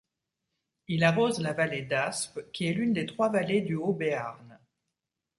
Il arrose la vallée d'Aspe qui est l'une des trois vallées du Haut-Béarn.